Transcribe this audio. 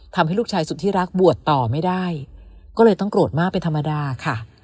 ทำให้ลูกชายสุดที่รักบวชต่อไม่ได้ก็เลยต้องโกรธมากเป็นธรรมดาค่ะ